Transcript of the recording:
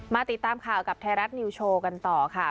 ติดตามข่าวกับไทยรัฐนิวโชว์กันต่อค่ะ